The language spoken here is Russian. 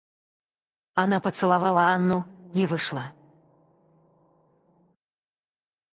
Она поцеловала Анну и вышла.